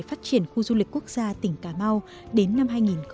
phát triển khu du lịch quốc gia tỉnh cà mau đến năm hai nghìn ba mươi